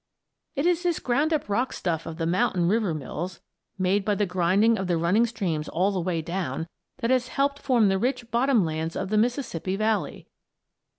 It is this ground up rock stuff of the mountain river mills, made by the grinding of the running streams all the way down, that has helped form the rich bottom lands of the Mississippi Valley.